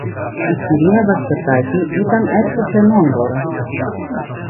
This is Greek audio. Η κυρία Βασιωτάκη ήταν έξω φρενών τώρα.